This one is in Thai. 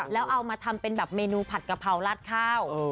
แล้วเอามาทำเป็นแบบเมนูผัดกะเพราลาดข้าว